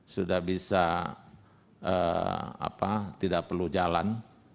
sudah bisa tidak perlu jalan